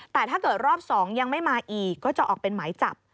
แต่ถ้าเกิดรอบ๒ยังไม่มาอีกก็จะออกเป็นหมายจับ